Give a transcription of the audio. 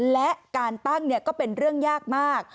และการตั้งก็เป็นเรื่องยากมาก